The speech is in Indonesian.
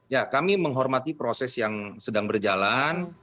ya kami menghormati proses yang sedang berjalan